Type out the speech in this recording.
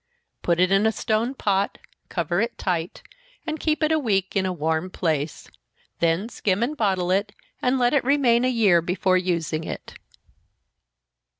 Put it in a stone pot, cover it tight, and keep it a week in a warm place, then skim and bottle it, and let it remain a year before using it.